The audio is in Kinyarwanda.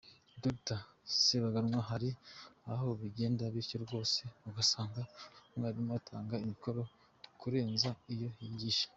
Dr Sebaganwa: Hari aho bigenda bityo rwose, ugasanga umwarimu atanga imikoro kurenza uko yigisha.